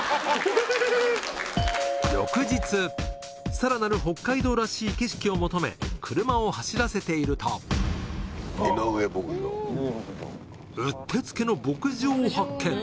さらなる北海道らしい景色を求め車を走らせているとうってつけの牧場を発見